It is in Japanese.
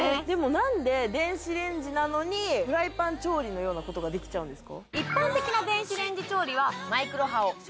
何で電子レンジなのにフライパン調理のようなことができちゃうんですか？